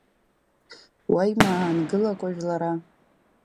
Уа имаангылакәа жәлара…